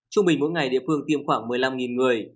trung bình mỗi ngày địa phương tiêm khoảng một mươi năm người